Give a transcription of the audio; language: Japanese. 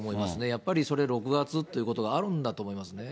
やっぱりそれ６月ということもあるんだと思いますね。